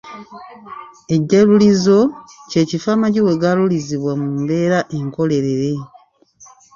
Ejjalulizo kye kifo amagi we gaalulizibwa mu mbeera enkolerere.